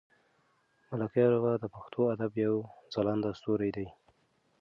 ملکیار بابا د پښتو ادب یو ځلاند ستوری دی.